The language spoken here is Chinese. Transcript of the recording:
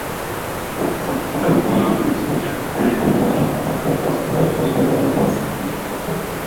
紫单花红丝线为茄科红丝线属下的一个变种。